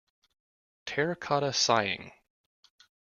Terracotta Sighing.